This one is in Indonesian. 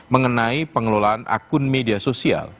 mengenai pengelolaan akun media sosial